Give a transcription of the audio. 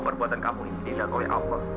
perbuatan kamu ini dilihat oleh allah